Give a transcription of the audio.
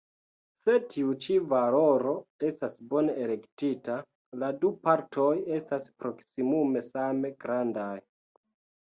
Se tiu ĉi valoro estas bone elektita, la du partoj estas proksimume same grandaj.